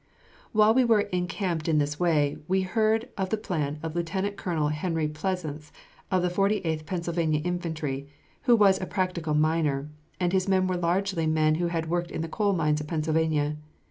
While we were encamped in this way, we heard of the plan of Lieutenant Colonel Henry Pleasants, of the Forty eighth Pennsylvania Infantry, who was a practical miner, and his men were largely men who had worked in the coal mines of Pennsylvania.